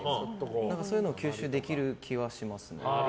そういうのを吸収できる気がしますね。